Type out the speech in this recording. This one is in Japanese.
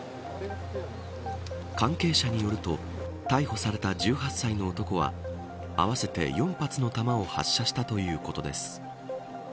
関係者によると逮捕された１８歳の男は合わせて４発の弾を発射したということです。